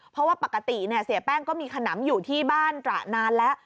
เพราะว่าปกติเสียแป้งก็มีขนำอยู่ที่บ้านตระนานแล้ว